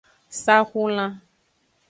Saxulan.